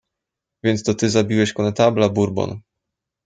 "Więc to ty zabiłeś konetabla Bourbon."